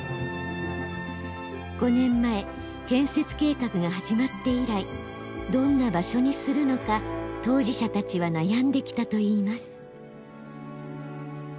５年前建設計画が始まって以来どんな場所にするのか当事者たちは悩んできたといいます。